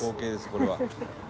これは」